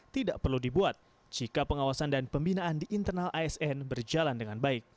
tidak perlu dibuat jika pengawasan dan pembinaan di internal asn berjalan dengan baik